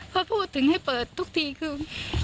เขาพูดถึงให้เปิดทุกทีคือ